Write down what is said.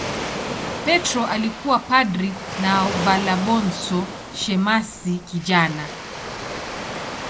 Petro alikuwa padri na Valabonso shemasi kijana.